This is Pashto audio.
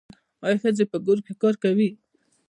آیا ښځې په کور کې کار کوي؟